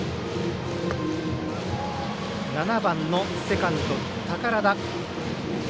７番のセカンド寳田。